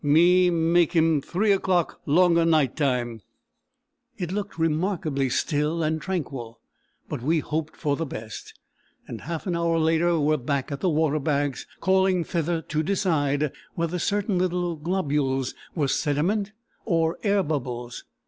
"Me make him three o'clock longa night time." It looked remarkably still and tranquil, but we hoped for the best, and half an hour later were back at the waterbags, called thither to decide whether certain little globules were sediment or air bubbles.